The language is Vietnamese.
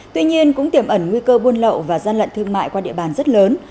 tuy nhiên cũng tiềm ẩn nguy cơ buôn lậu và gian lận thương mại qua địa bàn rất lớn